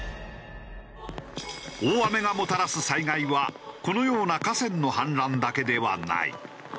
大雨がもたらす災害はこのような河川の氾濫だけではない。